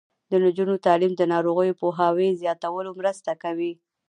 د نجونو تعلیم د ناروغیو پوهاوي زیاتولو مرسته کوي.